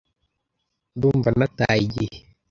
Ndumva nataye igihe.